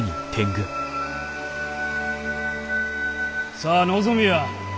さあ望みや！